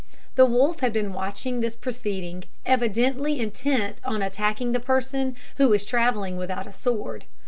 The wolf had been watching this proceeding, evidently intent on attacking the person who was travelling without a sword.